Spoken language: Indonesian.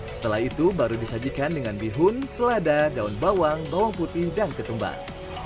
setelah itu baru disajikan dengan bihun selada daun bawang bawang putih dan ketumbar